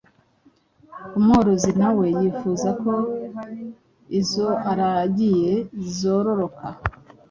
umworozi na we yifuza ko izo aragiye zororoka